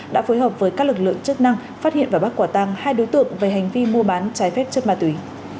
đã phối hợp với các lực lượng chức năng phát hiện và bắt quả tăng hai đối tượng về hành vi mua bán trái phép chất ma túy